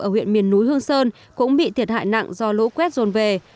ở huyện miền núi hương sơn cũng bị thiệt hại nặng do lũ quét dồn về